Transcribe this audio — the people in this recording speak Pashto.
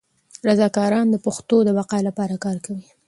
رضاکاران د پښتو د بقا لپاره کار کوي.